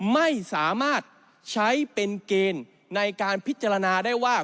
ไม่สามารถใช้เป็นเกณฑ์ในการพิจารณาได้ว่า